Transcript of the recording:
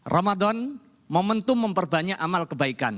ramadan momentum memperbanyak amal kebaikan